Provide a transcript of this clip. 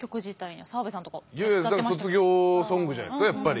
卒業ソングじゃないですかやっぱり。